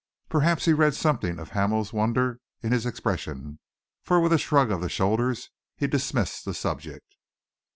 Perhaps he read something of Hamel's wonder in his expression, for with a shrug of the shoulders he dismissed the subject.